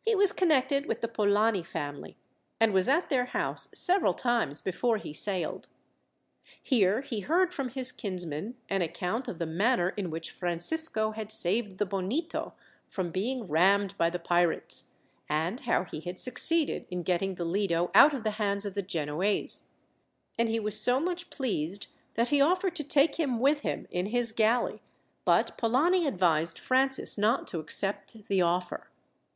He was connected with the Polani family, and was at their house several times before he sailed. Here he heard from his kinsman an account of the manner in which Francisco had saved the Bonito from being rammed by the pirates, and how he had succeeded in getting the Lido out of the hands of the Genoese; and he was so much pleased that he offered to take him with him in his galley, but Polani advised Francis not to accept the offer.